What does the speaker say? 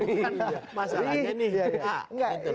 ini kan masalahnya nih